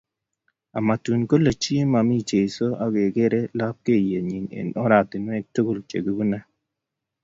Amatun kole chi momi Jesu akekere lapkeyet nyi eng oratunwek tukul che kibune